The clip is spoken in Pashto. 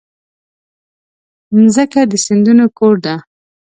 مځکه د سیندونو کور ده.